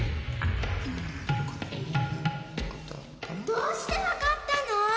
どうしてわかったの！？